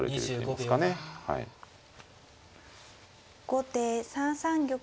後手３三玉。